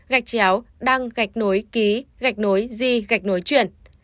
gạch chéo đăng gạch nối ký gạch nối di gạch nối chuyển